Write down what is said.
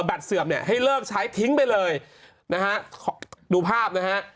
เสื่อมเนี่ยให้เลิกใช้ทิ้งไปเลยนะฮะขอดูภาพนะฮะ